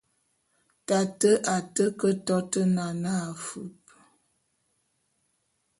Tate a té ke tôt nane afúp.